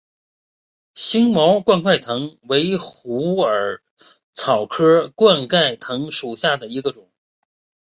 星毛冠盖藤为虎耳草科冠盖藤属下的一个种。